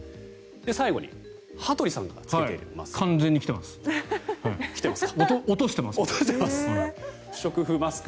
最後に羽鳥さんが着けているマスク。